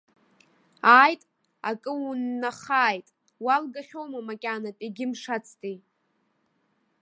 Ааит, акы уннахааит, уалагахьоума макьанатә, егьымшацтеи!